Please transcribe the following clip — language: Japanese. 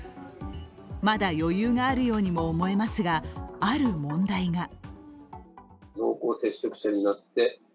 まだ余裕があるようにも思えますが、ある問題が。